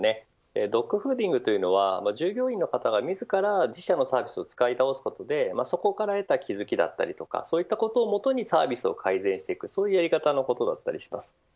ドッグフーディングというのは従業員の方が自ら自社のサービスを使うことでそこから得た気付きやそういったことを元にサービスを改善するそういうやり方のことだと思います。